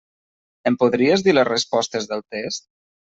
Em podries dir les respostes del test?